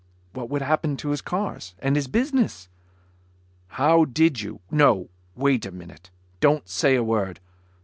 What would happen to his cars? And his business? "How did you ... no! Wait a minute. Don't say a word.